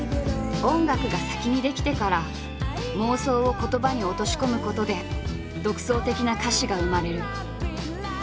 音楽が先に出来てから妄想を言葉に落とし込むことで独創的な歌詞が生まれる。